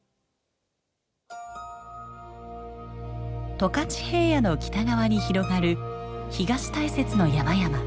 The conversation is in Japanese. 十勝平野の北側に広がる東大雪の山々。